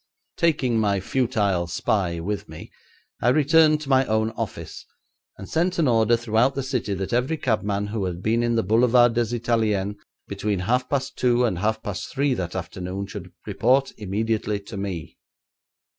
Taking my futile spy with me I returned to my own office, and sent an order throughout the city that every cabman who had been in the Boulevard des Italiens between half past two and half past three that afternoon, should report immediately to me.